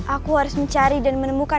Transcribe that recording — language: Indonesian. aku harus mencari dan menemukan